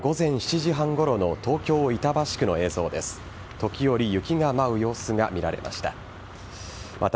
時折、雪が舞う様子が見られました。